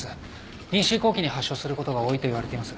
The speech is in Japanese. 妊娠後期に発症することが多いといわれています。